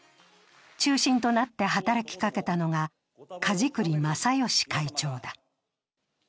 中心となって働きかけたのが、梶栗正義会長だ。